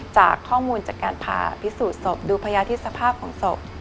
จากข้อมูลจากการผ่าพิสูจนศพดูพยาธิสภาพของศพ